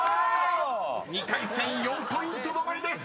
［２回戦４ポイント止まりです！］